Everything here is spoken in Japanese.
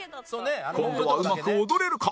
今度はうまく踊れるか？